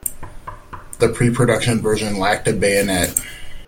The pre-production version lacked a bayonet.